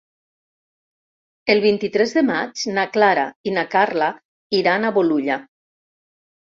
El vint-i-tres de maig na Clara i na Carla iran a Bolulla.